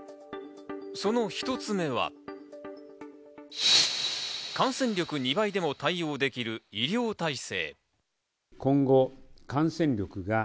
その１つ目は、感染力２倍でも対応できる医療体制。